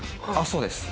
そうです